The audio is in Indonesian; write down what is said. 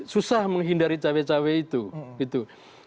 susah menghindari cawe cawe itu gitu